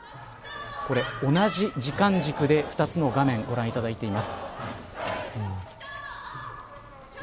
これ、同じ時間軸で２つの画面をご覧いただいています。